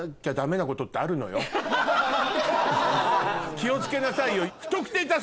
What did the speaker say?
気を付けなさいよ。